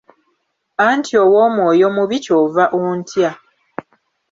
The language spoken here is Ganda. Anti ow'omwoyo mubi ky'ova ontya.